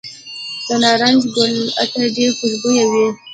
د نارنج ګل عطر ډیر خوشبويه وي.